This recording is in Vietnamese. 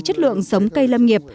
chất lượng giống cây lâm nghiệp